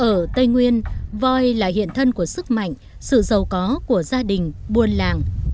ở tây nguyên voi là hiện thân của sức mạnh sự giàu có của gia đình buôn làng